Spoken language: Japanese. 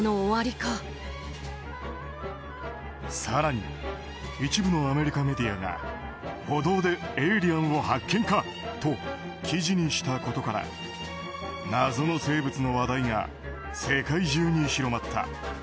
更に一部のアメリカメディアが歩道でエイリアンを発見かと記事にしたことから謎の生物の話題が世界中に広まった。